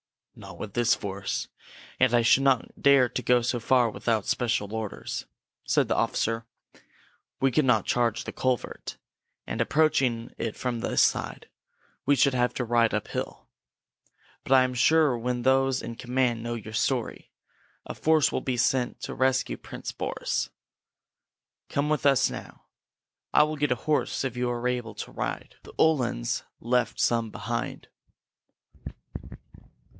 "Not with this force. And I should not dare to go so far without special orders," said the officer. "We could not charge the culvert, and, approaching it from this side, we should have to ride uphill. But I am sure that when those in command know your story, a force will be sent to rescue Prince Boris. Come with us now. I will get you a horse if you are able to ride. The Uhlans left some behind!"